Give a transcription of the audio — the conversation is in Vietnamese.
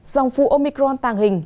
dòng phủ omicron tàng hình